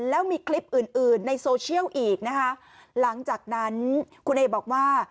แล้วมีคลิปอื่นอื่นในโซเชียลอีกนะคะหลังจากนั้นคุณเอบอกว่า